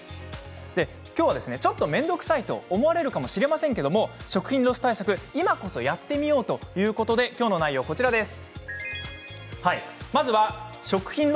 今日は、ちょっと面倒くさいと思われるかもしれませんが食品ロス対策、今こそやってみようということで今日はこちらの内容です。